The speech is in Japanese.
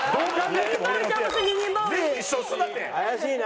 怪しいね。